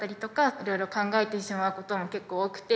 いろいろ考えてしまうことも結構多くて。